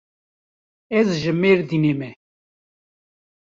Ez ji Mêrdînê me.